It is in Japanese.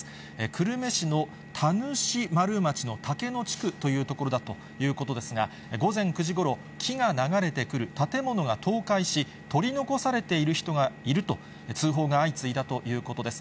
久留米市の田主丸町の竹野地区という所だということですが、午前９時ごろ、木が流れてくる、建物が倒壊し、取り残されている人がいると通報が相次いだということです。